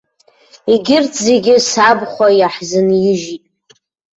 Егьырҭ зегьы сабхәа иаҳзынижьит.